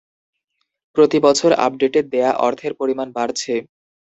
প্রতি বছর আপডেটে দেয়া অর্থের পরিমাণ বাড়ছে।